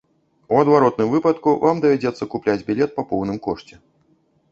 У адваротным выпадку вам давядзецца купляць білет па поўным кошце.